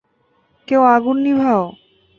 কেউ আগুন নিভাও।